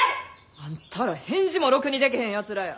あんたら返事もろくにでけへんやつらや。